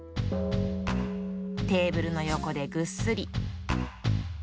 テーブルの横でぐっすり。